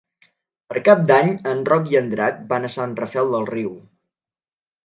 Per Cap d'Any en Roc i en Drac van a Sant Rafel del Riu.